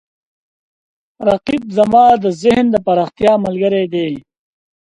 رقیب زما د ذهن د پراختیا ملګری دی